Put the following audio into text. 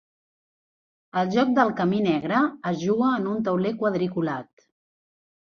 El joc del Camí Negre es juga en un tauler quadriculat.